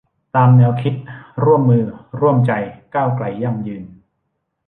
ตามแนวคิด ร่วมมือ ร่วมใจ ก้าวไกล ยั่งยืน